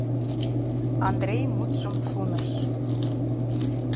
— Андрей мутшым шуныш.